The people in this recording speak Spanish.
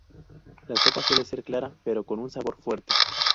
La sopa suele ser clara, pero con un sabor fuerte.